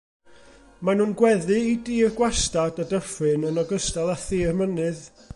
Maen nhw'n gweddu i dir gwastad y dyffryn yn ogystal â thir mynydd.